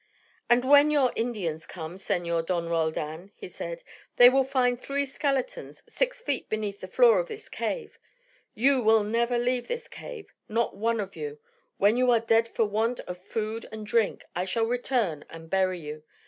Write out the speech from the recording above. "And when your Indians come, Senor Don Roldan," he said, "they will find three skeletons six feet beneath the floor of this cave. You will never leave this cave, not one of you. When you are dead for want of food and drink, I shall return and bury you.